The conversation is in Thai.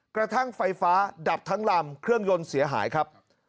กระทั่งไฟฟ้าดับทั้งลำเครื่องยนต์เสียหายครับ